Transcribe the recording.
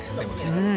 うん。